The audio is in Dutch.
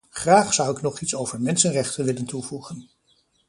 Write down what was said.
Graag zou ik nog iets over mensenrechten willen toevoegen.